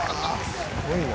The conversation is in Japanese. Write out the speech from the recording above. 「すごいな」